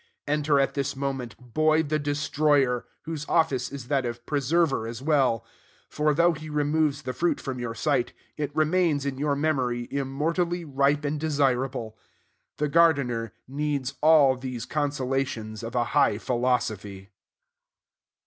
Enter at this moment boy the destroyer, whose office is that of preserver as well; for, though he removes the fruit from your sight, it remains in your memory immortally ripe and desirable. The gardener needs all these consolations of a high philosophy.